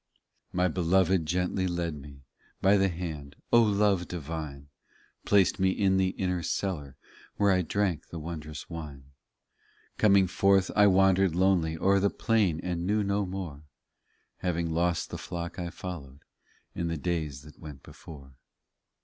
26 My Beloved gently led me By the hand, O love divine ! Placed me in the inner cellar Where I drank the wondrous wine. Coming forth I wandered lonely O er the plain, and knew no more, Having lost the flock I followed In the days that went before.